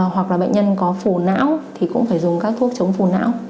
hoặc là bệnh nhân có phù não thì cũng phải dùng các thuốc chống phù não